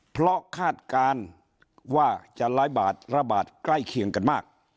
เพราะคาดการณ์ว่าจะร้ายบาดระบาดใกล้เคียงกันมาก